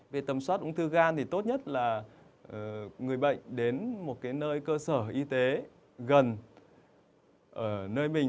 về tầm soát ung thư gan thì tốt nhất là người bệnh đến một nơi cơ sở y tế gần ở nơi mình